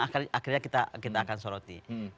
akhirnya kita akan soroti